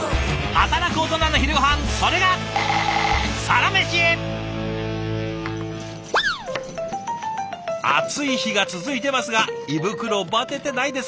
働くオトナの昼ごはんそれが暑い日が続いてますが胃袋バテてないですか？